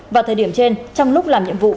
vào thời điểm trên trong lúc làm nhiệm vụ